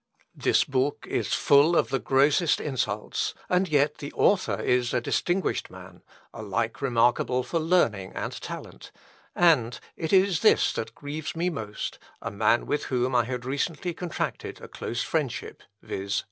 This book is full of the grossest insults, and yet the author is a distinguished man, alike remarkable for learning and talent; and (it is this that grieves me most) a man with whom I had recently contracted a close friendship, viz.